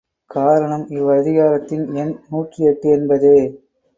காரணம் இவ்வதிகாரத்தின் எண் நூற்றி எட்டு என்பதே.